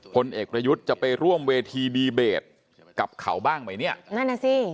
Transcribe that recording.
พลเอกประยุทธ์จะไปร่วมเวทีดีเบตกับเขาบ้างไหมเนี่ยนั่นน่ะสิ